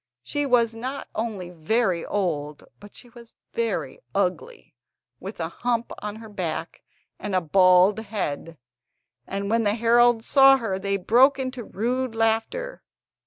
She was not only very old, but she was very ugly, with a hump on her back and a bald head, and when the heralds saw her they broke into rude laughter.